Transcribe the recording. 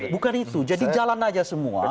bukan itu jadi jalan aja semua